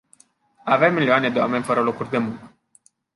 Avem milioane de oameni fără locuri de muncă.